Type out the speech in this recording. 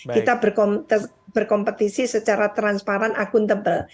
kita berkompetisi secara transparan akuntabel